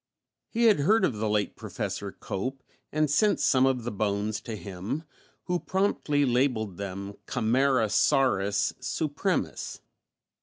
He had heard of the late Professor Cope and sent some of the bones to him, who promptly labelled them Camarasaurus supremus.